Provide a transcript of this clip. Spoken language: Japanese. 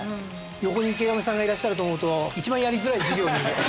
横に池上さんがいらっしゃると思うと一番やりづらい授業に。